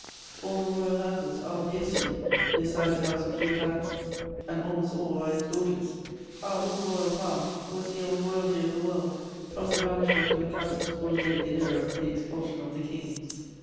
All the Royal Houses are of yesterday beside the House of Hugh Capet, and almost all are its daughters. Our old royal power was the old royalty of the world: from the banishment of the Capets will date the era of the expulsion of the kings.